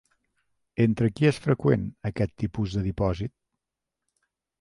Entre qui és freqüent aquest tipus de dipòsit?